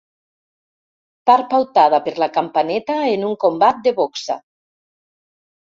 Part pautada per la campaneta en un combat de boxa.